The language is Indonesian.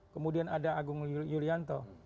kemudian ada agung yulianto